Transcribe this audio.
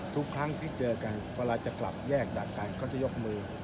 ทุกครั้งที่เจอกันเวลาจะกลับแยกดักกันก็จะยกมือ